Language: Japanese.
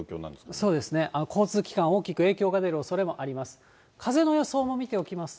そうですね、交通機関、大きく影響が出るおそれもあります。